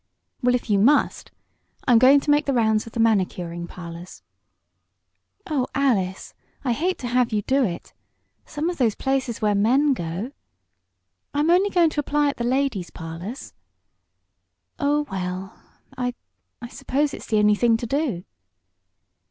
"Well, if you must, I'm going to make the rounds of the manicuring parlors." "Oh, Alice, I hate to have you do it. Some of those places where men go " "I'm only going to apply at the ladies' parlors." "Oh, well, I I suppose it's the only thing to do."